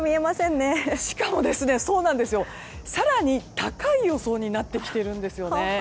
しかも、更に高い予想になってきているんですね。